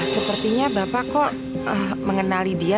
sepertinya bapak kok mengenali dia